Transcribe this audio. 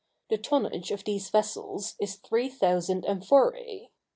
The tonnage of these vessels is three thousand amphoræ.